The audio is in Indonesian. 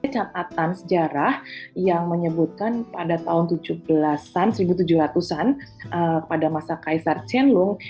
catatan sejarah yang menyebutkan pada tahun tujuh belas an seribu tujuh ratus an pada masa kaisar chen lung